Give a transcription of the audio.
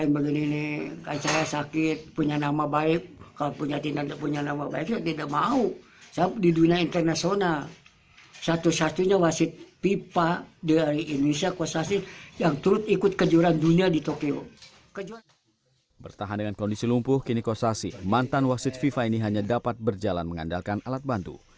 bertahan dengan kondisi lumpuh kini kosasih mantan wasit fifa ini hanya dapat berjalan mengandalkan alat bantu